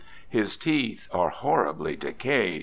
His teeth are horribly decayed.